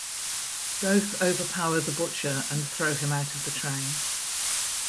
Both overpower the Butcher and throw him out of the train.